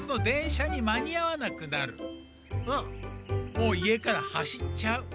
もういえからはしっちゃう。